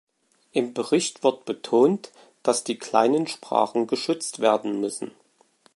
Im Bericht wird betont, dass die kleinen Sprachen geschützt werden müssen.